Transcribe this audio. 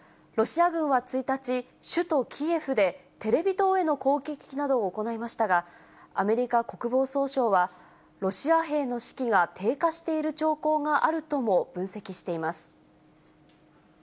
ロシア軍は１日、首都キエフで、テレビ塔への攻撃などを行いましたが、アメリカ国防総省は、ロシア兵の士気が低下している兆候があるとも分析しています。